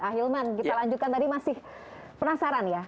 ahilman kita lanjutkan tadi masih penasaran ya